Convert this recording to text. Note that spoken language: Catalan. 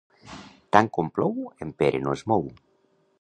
Tant com plou, en Pere no es mou.